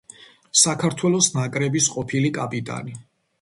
საქართველოს ნაკრების ყოფილი კაპიტანი.